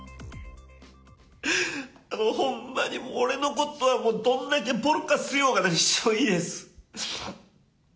ほんまに俺のことは、もうどんだけぼろかす言おうが何しようがいいです。